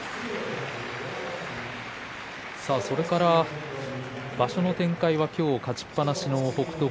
それから場所の展開は今日勝ちっぱなしの北勝